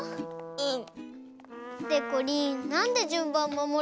うん。